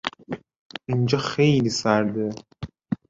اینجا خیلی سرده!